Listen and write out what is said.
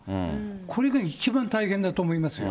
これが一番大変だと思いますよ。